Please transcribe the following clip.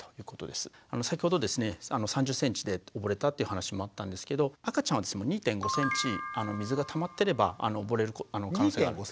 先ほどですね３０ｃｍで溺れたっていう話もあったんですけど赤ちゃんは２．５ｃｍ水がたまってれば溺れる可能性がある。